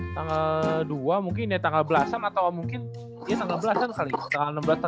tanggal dua mungkin ya tanggal belasan atau mungkin ya tanggal belasan kali ya tanggal enam belas tanggal tujuh belas berarti ya